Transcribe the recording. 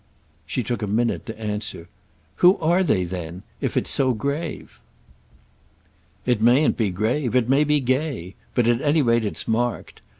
She took a minute to answer. "Who are they then—if it's so grave?" "It mayn't be grave—it may be gay. But at any rate it's marked.